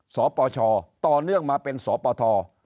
สปชต่อเนื่องมาเป็นสปท